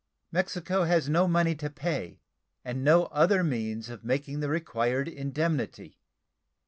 Mexico has no money to pay, and no other means of making the required indemnity.